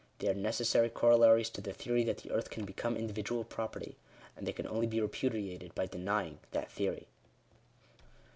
They are necessary corollaries to the theory that the earth can become individual property. And they can only be repudiated by denying that theory.